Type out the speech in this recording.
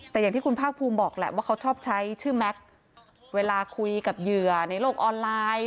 แต่อย่างที่คุณภาคภูมิบอกแหละว่าเขาชอบใช้ชื่อแม็กซ์เวลาคุยกับเหยื่อในโลกออนไลน์